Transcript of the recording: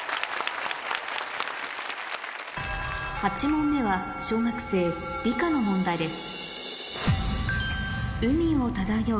８問目は小学生理科の問題です